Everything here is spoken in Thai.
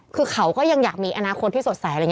คือเขาก็ยังอยากมีอนาคตที่สดแส